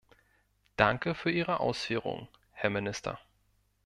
Danke für Ihre Ausführungen, Herr Minister.